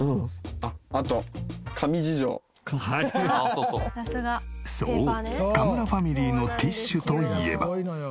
そう田村ファミリーのティッシュといえば。